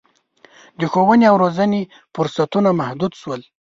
د ښوونې او روزنې فرصتونه محدود شول.